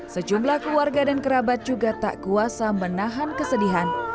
sejumlah keluarga dan kerabat juga tak kuasa menahan kesedihan